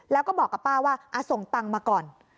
แล้วก็บอกกับป้าว่าส่งตังค์มาก่อน